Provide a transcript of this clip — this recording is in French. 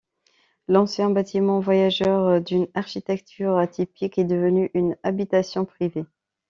L'ancien bâtiment voyageur, d'une architecture atypique, est devenu une habitation privée.